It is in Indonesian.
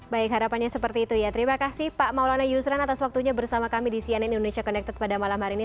baik harapannya seperti itu ya terima kasih pak maulana yusran atas waktunya bersama kami di cnn indonesia connected pada malam hari ini